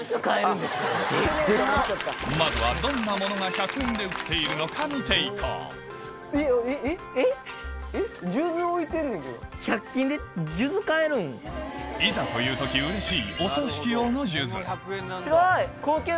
まずはどんなものが１００円で売っているのか見ていこういざという時うれしいすごい！